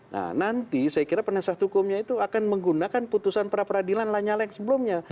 nah nanti saya kira penyiasat hukumnya itu akan menggunakan putusan prapradilan lain lain sebelumnya